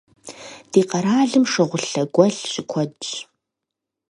Ди къэралым шыгъулъэ гуэл щыкуэдщ.